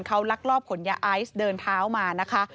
เขาลักลอบขนยาไอซ์เดินเท้ามานะคะ